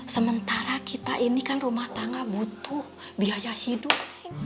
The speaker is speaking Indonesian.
sementara kita ini kan rumah tangga butuh biaya hidup